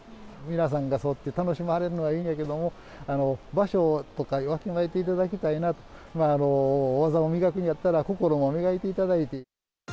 皆さんがそうやって楽しまれるのはいいんやけども、場所とかをわきまえていただきたいなって、技を磨くんやったら、心も磨いていただいて。